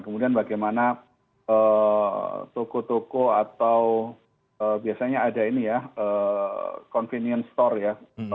kemudian bagaimana toko toko atau biasanya ada ini ya convenience store ya